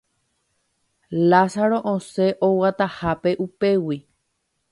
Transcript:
Lázaro osẽ oguatahápe upégui